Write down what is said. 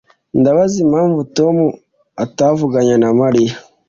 Ndabaza impamvu Tom atavuganye na Mariya